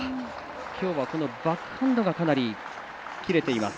今日はバックハンドがかなり切れています